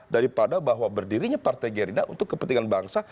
daripada bahwa berdirinya partai gerinda untuk kepentingan bangsa